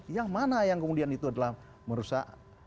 yang mana yang kemudian itu adalah merusak